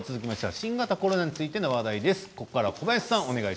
新型コロナについての話題です。